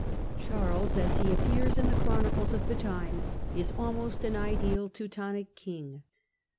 Charles, as he appears in the chronicles of the time, is almost an ideal Teutonic king.